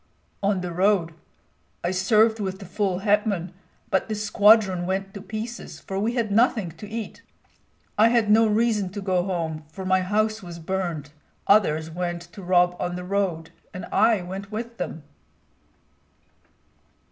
"On the road. I served with the full hetman; but the squadron went to pieces, for we had nothing to eat. I had no reason to go home, for my house was burned. Others went to rob on the road, and I went with them."